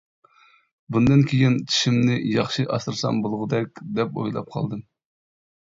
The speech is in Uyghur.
بۇندىن كېيىن چىشىمنى ياخشى ئاسرىسام بولغۇدەك دەپ ئويلاپ قالدىم.